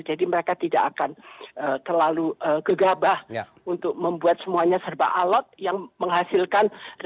jadi mereka tidak akan terlalu gegabah untuk membuat semuanya serba alat yang menghasilkan